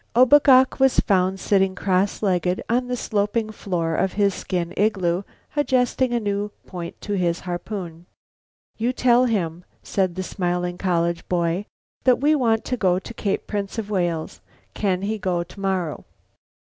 O bo gok was found sitting cross legged on the sloping floor of his skin igloo, adjusting a new point to his harpoon. "You tell him," said the smiling college boy, "that we want to go to Cape Prince of Wales. Can he go tomorrow?"